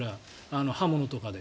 刃物とかで。